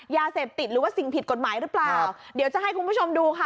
ยาเสพติดหรือว่าสิ่งผิดกฎหมายหรือเปล่าเดี๋ยวจะให้คุณผู้ชมดูค่ะ